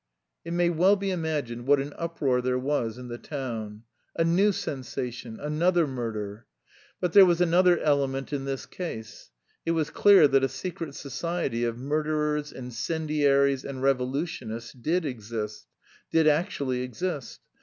It may well be imagined what an uproar there was in the town. A new "sensation," another murder! But there was another element in this case: it was clear that a secret society of murderers, incendiaries, and revolutionists did exist, did actually exist.